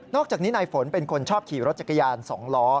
อกจากนี้นายฝนเป็นคนชอบขี่รถจักรยาน๒ล้อ